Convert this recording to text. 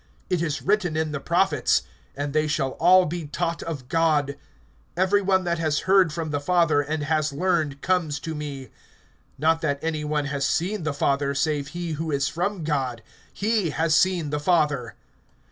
(45)It is written in the prophets: And they shall all be taught of God. Every one that has heard from the Father, and has learned, comes to me. (46)Not that any one has seen the Father, save he who is from God; he has seen the Father.